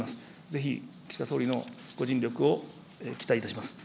ぜひ、岸田総理のご尽力を期待いたします。